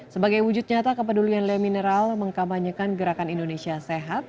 sebagai wujud nyata kepedulian le mineral mengkabanyakan gerakan indonesia sehat